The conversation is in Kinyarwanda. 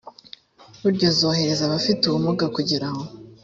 buryo zorohereza abafite ubumuga kugera aho